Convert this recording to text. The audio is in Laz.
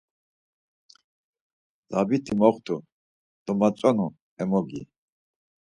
Zabit̆i moxt̆u domatzonu emogi.